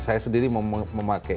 saya sendiri memakai